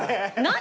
何？